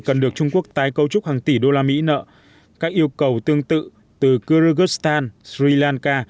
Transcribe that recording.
cần được trung quốc tái cấu trúc hàng tỷ đô la mỹ nợ các yêu cầu tương tự từ kyrgyzstan sri lanka